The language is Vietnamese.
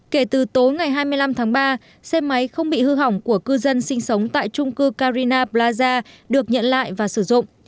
kể từ tối ngày hai mươi năm tháng ba xe máy không bị hư hỏng của cư dân sinh sống tại trung cư carina plaza được nhận lại và sử dụng